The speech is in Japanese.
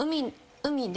海で。